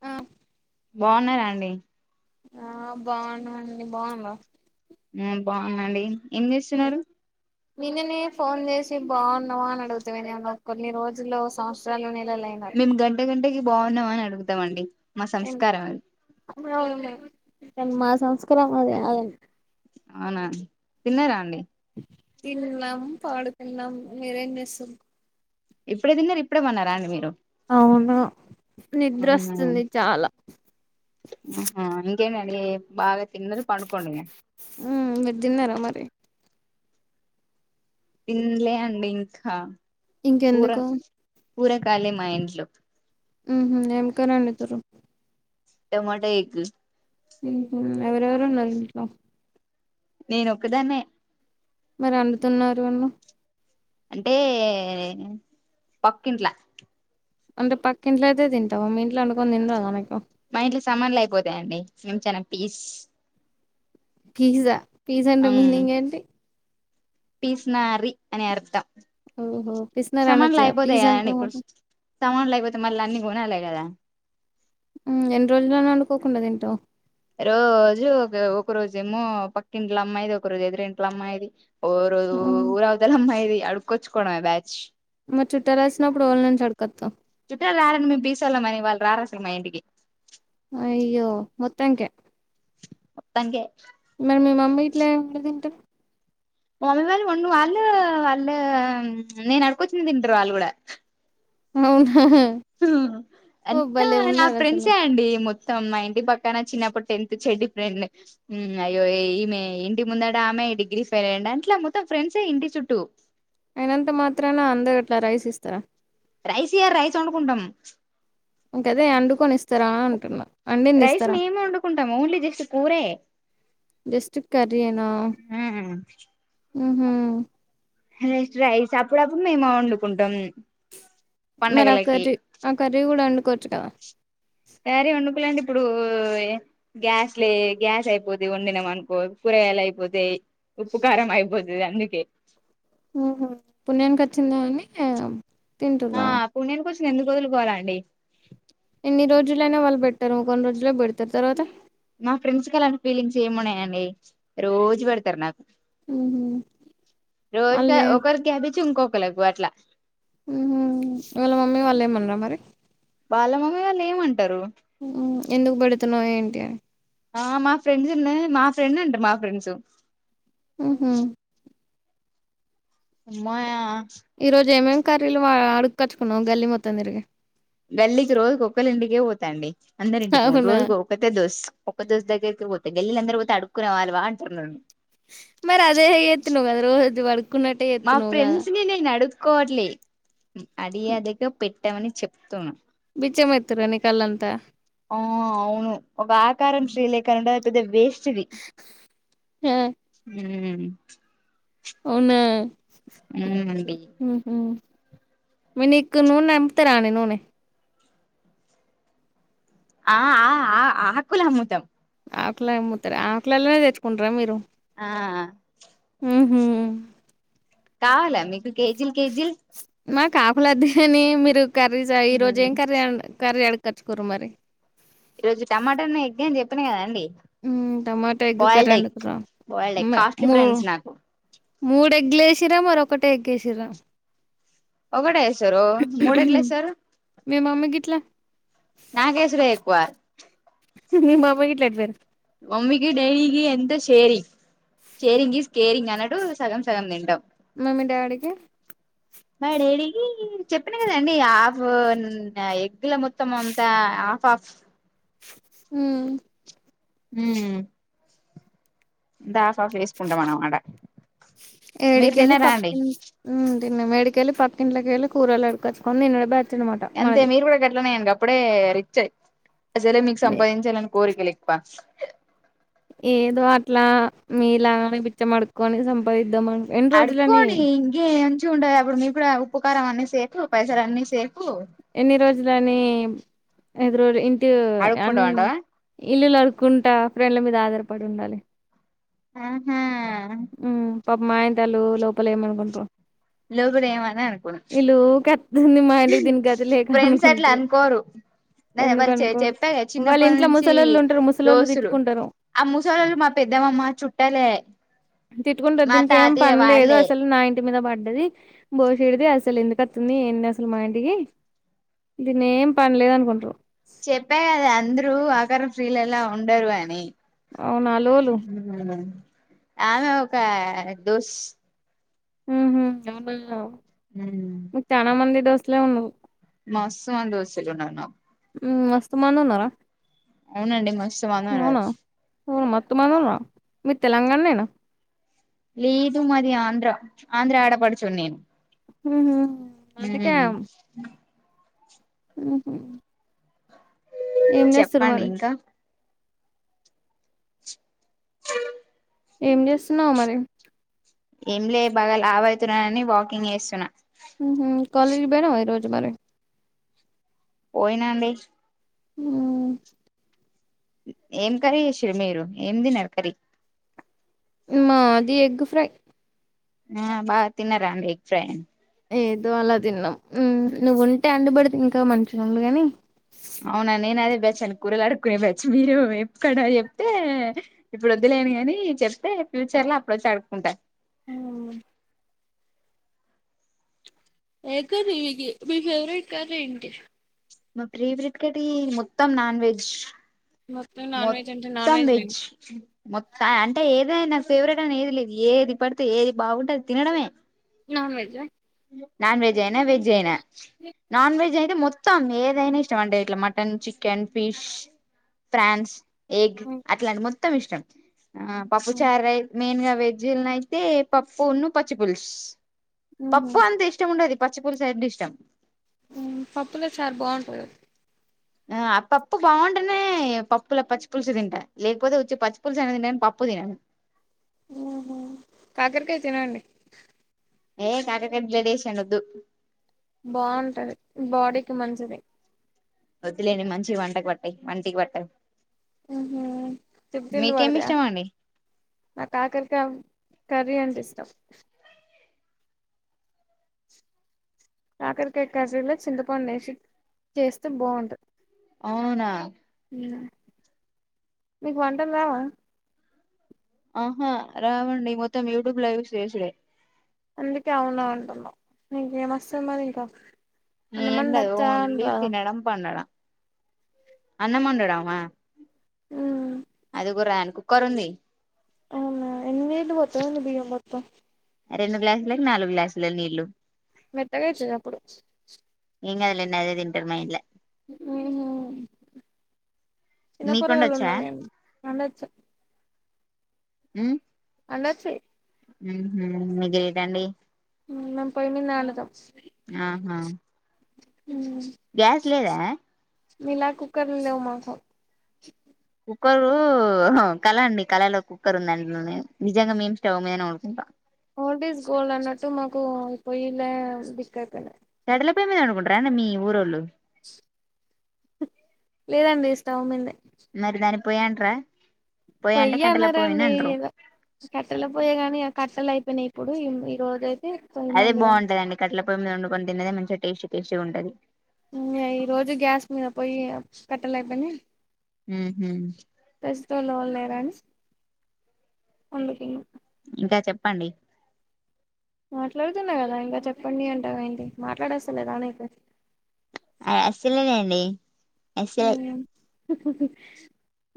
ఆ బాగున్నారండి ఆ బాగున్నాండి బాగున్నా బాగుందండి ఏం చేస్తున్నారు నిన్ననే ఫోన్ చేసి బాగున్నావా అని అడుగుతనేమో కొన్ని రోజుల్లో సంవత్సరాలు నెలలు అయినారు నిమ్ గంటె గంట గ బాగున్నామ అని అడుగుతాంమండి మా సంస్కారం అది కానీ మా సంస్కారం అది కదండీ అవునా తిన్నారా అండి తిన్నం పడుకునం మీరేం చేస్తున్నారు ఇప్పుడే తిన్నారు ఇప్పుడే పోన్నారా అండి మీరు అవునా అవునా నిద్రస్తుంది చాలా అే బాగా తిన్నారు పడుకోండి ఇగ హు మీరు తిన్నారా మరి తిన్లే అండి ఇంకా ఇంకెందుకు కూరకాలే మా ఇంట్లో ఉహు [unintelligible] ఏం ఇద్దరు టమాటో ఎగ్ హుహు ఎవరెవరూ ఉన్నారు ఇంట్లో నేను ఒక్కదాన్నే మరి అండుతున్నారు అన్నావ్ అంటే పక్కింట్ల అంటే పక్కింట్లో అయితే తింటావు మీ ఇంట్లో వండుకొని తినరాధ మీ ఇంట్లో మా ఇంట్లో సమాన్లు అయిపోతాయండి మేము చానా పీస్ ఫీజా పిజ్జా అంటే మీనింగ్ ఏంటి పీసినారి అని అర్థం ఓహో! సమాన్లు పిసినారనొచ్చుగా. అయిపోతాయిడి పీసంటావు ఇప్పుడు కదా! సమాన్లు అయిపోతే మళ్ళీ అన్ని కొనాలి కదా హు ఎన్ని రోజులు అని వండుకోకుండా తింటావ్ రోజు ఒక ఒక రోజేమో పక్కింట్ల అమ్మాయిది ఒక రోజు ఎదురింట్ల అమ్మాయిది ఓ హ్మ్. ఊరవతల అమ్మాయ ది అడుక్కో మే బ్యాచ్ మరి చుట్టలు వచ్చినప్పుడు వల్ల నుంచి అడుకొత్తావ్ చుట్టాలు రారని మేము పిలిసోళ్ళం అని వాళ్ళు రారు మా ఇంటికి అయ్యో మొత్తాంక మొత్తానికే మరి మీ మమ్మీ ఇట్లా యడతింటారు మమ్మీ వాళ్ళు ఉం వాళ్ళు వాళ్ళు నేను అడుకొచ్చి తింటారు వాళ్ళు కూడా అవునా అంతా భలే నా ఉన్నారు ఆసలు ఫ్రెండ్సే అండి మొత్తం మా ఇంటి పక్కన చిన్నప్పుడు టెన్త్ చెడ్డి ఫ్రెండ్ అయ్యో ఈమె ఇంటి ముందడు ఆమె డిగ్రీ ఫెయిల్ అయ్యండు అంట్ మొత్తం ఫ్రెండ్సే ఇంటి చుట్టూ అయినంత మాత్రాన అందరు అట్లా రైస్ ఇస్తారా రైస్య రైస్ వండుకుంటాం. ఇక ఆదే వండుకొనిస్తారా అ అంటున్నా అండింది రైస్ ఇస్తారా మేము వండుకుంటాం ఓన్లీ జస్ట్ కూరే జస్ట్ కర్రీ నా ఊ రస్ రైస్ అప్పుడప్పుడు మేము వండుకుంటాం. మరి ఆ పండగలకి కర్రీ ఆ కర్రీ కూడా వండుకోచ్చ కోవచ్చు కదా యా [unintelligible] లంటే ఇప్పుడు గ్యాస్ లే గ్యాస్ అయిపోత వండినాం అనుకో కూరగాయలు అయిపోతాయి. ఉపకారం అయిబోద్ ఇ అందుకే పుణ్యానికి వచ్చిందా అని తింటూ ఆ రా పుణ్యానికి ఎందుకు వదులుకోవాలండి ఎన్ని రోజులైనా వాళ్ళు పెట్టారు కొన్ని రోజుల్లో పెడతారు తర్వాత మా ఫ్రెండ్స్ కలాన్న ఫీలింగ్స్ ఏమున్నాయండి రోజు పెడతారు నాకు ఉహు రోజ క అల్లే ఒక క చుకో కు అట్లా వాళ్ళ మమ్మీ వాళ్ళే మ అ మరి బాలమమ్మ వాళ్ళు ఏమంటారు ఎందుకు పెడుతున్నా ఏంటి అని ఆ మా ఫ్రెండ్స్ ఉన్నా మా ఫ్రెండ్ అంట మా ఫ్రెండ్స్ ఉహు అమ్మో ఈ రోజు ఏమేమి కర్రీలు అడుక్చ్చుకున్నా్ గల్లి మొత్తందీరికి గల్లీకి రోజు ఒకక్కలి ఇంంటికే పోతాండి అందరి ఇంటికి అవునా రోజు ఒకక్కే దోస్త్ ఒక దోస్త్ దగ్గరికి పోతే గిల్ అందర తడుకునే వాాల వాంటంది మరి అదే ఎత్ నువ్ అది బడు మా ఫ్రెండ్స్ ని నేన్ అడుగు కోట్లీ అడిే అద పె పెట్టమని చెప్తున్నాం బిచ్చం ఎత్తురా నీ కళ్ళంతా ఆ అవును ఒక ఆకారం శ్రీలేకారంంట ది బెస్ట్ ఆ హ్మ్మ్ అ అవున ఉ అండిీ మేని ఇ ను నెపు తరానే నూనే ఆ ఆ ఆ ఆ ఆకులమ్ముతం ఆకులా ఏమ్ముతార ఆకులలోనే తెచ్చుకుంటర మీరు ఆ ఉహు కావాల మీకు కేజిల్ కేజిల్ మాక్ ఆకులొద్దు గని మీరు కర్రీస ఈ రోజు ఏం కర్రి వండు కర్రీ అడుగ్ కచ్చ్ కుర్రా మరి ఈ రోజు టమాటని ఎగ్అని చెప్పిన కదండి మ్మ్ tomato egg curry boiled and egg raw boiled egg మ్మ్ కాస్ట్లీ మోవ్ ఫ్రెండ్స్ నాకు మూడు ఎగ్లేసిర మరొక్కటి ఎగ్గేసిర ఒకటె ఏస్తరు మూడు ఎట్లేసరు మీ మమ్మీ గిట్లా నాకేసుడే ఎక్కువ మా ఆవ్వా ఇట్లే ఎత్త్తారు మా మమ్మీకి డైలీ ఎంత షేరింగ్ షేరింగ్ ఈస్ కేరింగ్ అన్నట్టు సగం సగం తింటాం మేం మీ డాడీకి మా డాడీ చెప్పిన కదండి హాఫ్ ఎగ్గుల మొత్తం అంతా హాఫ్ హాఫ్ మ్మ్ మ్మ్ దాస్ టాప్స్ వేసుకుంటాం అన్నమాట మీరు తిన్నారా అండి నిన్నా మేడికెళ్ళి పక్కింట్లెకెళ్ళి కూరలు అడుకొచ్చుకొని తినడబా అంతే మీరు గూడ గట్లమేఇంగా అప్పుడే రిచ్చ్ అసలే మీకు మే సంపాయించాలని కోరికలు ఎక్కువ ఏదో అట్ల మీలాగనే బిచ్చమడుక్కొని సంపాది అడుక్కోని ఇంగేమ్ [unintelligible] ఉంటది అప్పుడు మీకు కూడ ఉప్పు, కారం అన్ని సేఫు పైసలు అన్ని సేఫు ఎన్ని రోజులనీ [unintelligible] [unintelligible] అన్ అడుక్కుంటాం అంటావా ఇల్లులడ్ కుంటా ఫ్రెండ్ల మీద ఆధారపడి ఉండాలి మ్మ్ హ్మ్ హ్మ్ పాపం మాయంతలు లోపలేమనుకుంట్రో లోగుడు ఏమన్నా అనుకొని ఊకే అత్తుంది మా ఇంటికి దీని గతి లేక ఫ్రెండ్స్ అట్లా అనుకుంట్రు అనుకోరు నేన్ ఎవళ్ళు చే ఎందుకనుకో చెప్పాగ వాళ్ళ చిన్నప్పటి ఇంట్లో నుంచి ముసలోళ్ళు ఉంటరు ముసలోళ్ళు దోస్తులు తిట్టుకుంటరు ఆ ముసలోళ్లు మా పెద్దమ్మమ్మ చుట్టాలే తిట్టుకుంటరు మా దీనికి ఏం తాతయ్య పనిలేదు వాళ్ళే అసలు నా ఇం ఇట్టి మీద పడ్డది బోసిడిది అసలు ఎందుకచ్చింది ఏందసలు మా ఇంటికి దీన్నేం పనలేదు అనుకుంటారు స్త్రీలేలా ఉండరు అని అవునా లోలు మ్మ్ ఆమె ఒక దోస్ హ్మ్ అవునా చాన మంది డోస్ అట్లే ఉన్నవ్ మస్త్ మంది దోస్తులు ఉన్నారు నాకు మస్త్ మందున్నర అవునండి మస్తు మంది ఉన్నరు ఉమ్ మత్తు మందున్నర మీది తెలంగానేనా లేదు మాది ఆంధ్ర ఆంధ్ర ఆడపడుచు ని నేను ఊహు ఊహు హు ఊహు చెప్పండి ఇంక ఏం చేస్తున్నావ్ మరి ఏం లే బాగ లావువుతున్నాని వాకింగ్ చేస్తున్నా ఊహు కాలేజ్ కి పోయినావ ఈరోజ మరి పోయిన అండి ఉమ్ ఏం కర్రీ చేసిండ్రు మీరు ఏం తిన్నారు కర్రీ మాది ఎగ్ ఫ్రై న బాగా తిన్నారా అండి ఎగ్ ఫ్రై ఏదో అలా తిన్నాం ఉమ్ నువ్వు తింటా అంటె ఇంకా మంచిగా ఉండు గానీ అవునా నేను అదే బచ్చల కూరలు కడుక్కొని పర్చి మీర వేపు కోడ వేపుతె ఎప్పుడు చ ఇప్పుడు వద్దులేను కాని చెప్తే ఫ్యూచర్ లో అప్పుడు వచ్చి అడుక్కుంటారు ఏ కర్రీ ఇగి మీ ఫేవరెట్ కర్రీ ఏంటి మా ఫ్రీ బ్రిట్ కట్టీ మొత్తం నాన్ వెజ్ మొత్తం నాన్ వెజ్ అంటే నాన్ మొత్తం వెజ్ లేండి మొత్తం అంటె ఏదైనా ఫేవరెట్ అని ఏది లేదు ఏది పడితే ఏది బాగుంటే అది తినడమే నాన్ వెజ్జ నాన్ వెజ్ అయిన వెజ్ అయిన నాన్ వెజ్ అయితే మొత్తం ఏదైనా ఇష్టం అంటే ఇట్లా mutton chicken fish prawns egg అట్లాంటి మొ మొత్తం ఇష్టం ఆ పప్పు చార్ మెయిన్ గా వెజ్జున్నయితే పప్పును పచ్చి పులుసు పప్పు అంటే ఇష్టం ఉండదు పచ్చి పులుసు అంటే ఇష్టం ఉయ్ పప్పులో చార్ బాగుంటంది ఆయ్ పప్పు బాగుంటేనే పప్పుల పచ్చి పులుసు తింటా లేకపోతే వచ్చి పచ్చి పులుసు తింటాను పప్పు తినను ఊహు కాకరకయ తినండి ఏ యో కాకరకాయ జడెం సోద్దు బాగుంటది బాడికి మంచిది వద్దులేని మంచివి వంటకు పట్టాయి వంటికి పట్టవు ఉహు తిగ్గలు పడతాయ ఇష్టం అండి ఆ ఆకలికి కర్రీ అంటె ఇష్టం కాకరికాయ కర్రీ లో చింతపండు ఏసి చేస్తే బాగుంటది అవునా నీకు వంటలు రావా ఆహా రావండి మొత్తం యూట్యూబ్ లోచిస్ చేసిడే అందుకే అవునా అంటున్న నెకెంవస్తది ఇంకా ఏం దది అన్నమండొచ్చా అని ఓన్లీ రాదా తినడం పన్నడం అన్నమండడామా మ్మ్ అదికు రా అన్ కుక్కరుంది అవునా ఎన్ని నీళ్లు బొత్తవ్ బియ్యం మొత్తం రెండు గ్లాసులకి నాలుగు గ్లాసులు నీళ్ళు మెత్తగా అయితది అప్పుడు ఏం కాదులే ఆదే తింటర్ మా ఇంట్ల హు హు చిన్న మీకుండొచ్చా పోరగల్లవున్నారేం ఉండచ్చు హమ్ అలాగే మీ గ్రేటండి మేమ్ పొయ్యిమెదవొందుతం ఆహా గ్యాస్ లేదా మీలా కుక్కర్లు లేవు మాకు కుక్కరు కళ అండి కళలో కుక్కర్ ఉందండి నిజంగా మేము స్టవ్ మీదనే వండుకుంటాం ఓల్డ్ ఈస్ గోల్డ్ అన్నట్టు మకూ పోయ్యిలా దిక్కు అయిపోయిందియి కట్టల పోయి మీద వండుకుంటార మీ ఊరోళ్ళు ష్ లేదండి స్టవ్ మీదనె పోయండ్ర పొయ్యి అనరండి ఏదో కట్టెల పోయి కానీ ఆ కట్టెలు అయితే అని ఇప్పుడు ఇరోజే అదే బాగుంటదండి కట్ల పోయి మీద వండుకోని తిన్నది మంచి టేస్టీ టేస్టీ ఉండది ఇంగ ఈ రోజు గ్యాస్ మీద పోయి కట్టల అయిపోయినాయి ఊ హుమ్ ప్రస్తుతల్లో వాళ్ళు లేరా అండి ఇంకా చెప్పండి మాట్లాడుతున్నా కదా ఇంకా చెప్పండి అంటా ఏంటి మాట్లాడేసలేదా నీకు అసల్ లేదండి అసల్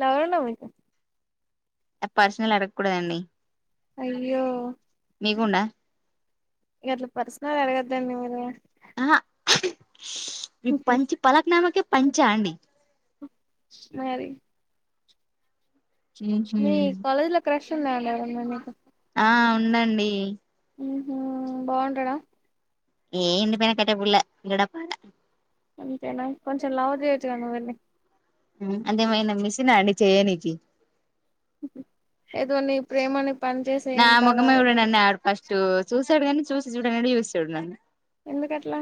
నవ్వేన మీతే పర్సనల్ అడగకూడదండి అయ్యో మీకుందా ఇట్లు పర్సనల్ అడగద్దండీ మీరు ఆహ ఈ పంచ్ పలక్నామకే పంచా అండి మరి ఉహు మీ కాలేజ్ లో క్రష్ న్నా ఎవరన్నా నీకు ఆ ఉండండి హ బాగుంటాడా ఏ ఎండిపోయిన కట్టేపుల్ల గడ్డ పారా అంతంతేనా కొంచెం లావు చేయొచ్చుగా నువ్వు వెళ్లి అదేమైన మిషన అండి చేయనీకి ఏదో నిీ ప్రేమని పని చేసే నా ఇంకా మొఖమే లవ్ అవుతాడు చూడడండి అడు ఫస్టు సూస్థాడుకాని చూసి చూడనట్టు చూస్తాడు న్నాను ఎందుకట్లా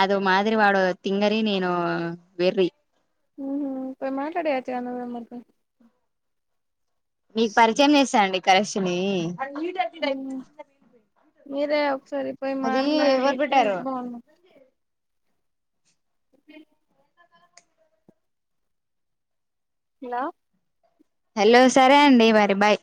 అదో మాదిరి వాడో తింగరి నేను వెర్రి మ్ హు పోయి మాట్లాడియ్యొచ్చు నువ్వే మరి పోయి మీకు పరిచయం చేస్తాండి క్రాష్ నీ అదిప్పుడుదు సరిపోయి మాట్లాడితే బాగున్నా హలో హలో సరే అండి మరి బాయ్